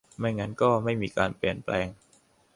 ไม่งั้นก็ไม่มีการเปลี่ยนแปลง